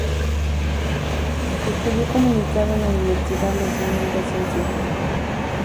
Estudió Comunicación en la Universidad Nacional de Asunción.